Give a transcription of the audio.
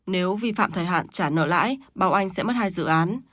nếu vi phạm thời hạn trả nợ lãi bảo anh sẽ mất hai dự án